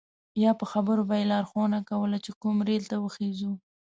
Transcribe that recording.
یا په خبرو به یې لارښوونه کوله چې کوم ریل ته وخیژو.